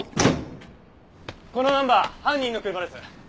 このナンバー犯人の車です。